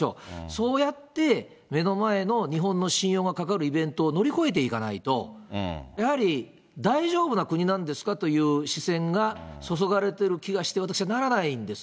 そうやって、目の前の日本の信用がかかるイベントを乗り越えていかないと、やはり大丈夫な国なんですかという視線が注がれてる気がして私はならないんです。